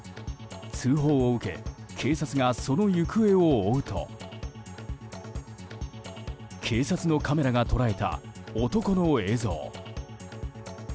通報を受け警察がその行方を追うと警察のカメラが捉えた男の映像。